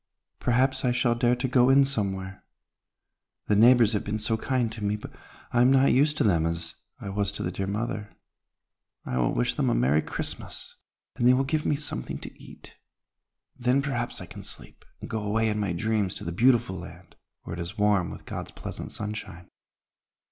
Perhaps I shall dare to go in somewhere. The neighbors have been so kind to me, but I'm not used to them as I was to the dear mother. I will wish them a 'Merry Christmas,' and they will give me something to eat. Then, perhaps, I can sleep, and go away in my dreams to the beautiful land where it is warm with God's pleasant sunshine."